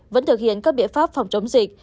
vẫn thực hiện các biện pháp phòng chống dịch